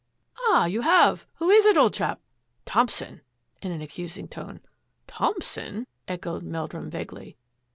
" Ah! you have. Who is it, old chap? "" Thompson," in an accusing tone. " Thompson? " echoed Meldrum vaguely.